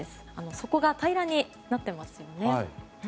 底が平らになっていますよね。